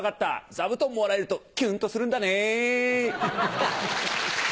座布団もらえるとキュンとするんだね。